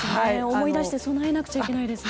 思い出して備えなくちゃいけないですね。